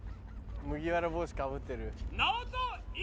麦わら帽子かぶってる。